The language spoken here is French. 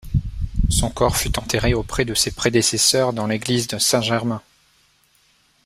Son corps fut enterré auprès de ses prédécesseurs dans l'église de saint Germain.